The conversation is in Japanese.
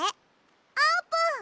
あーぷん！